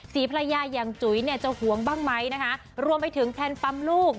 ศรีภรรยาอย่างจุ๋ยเนี่ยจะหวงบ้างไหมนะคะรวมไปถึงแพลนปั๊มลูก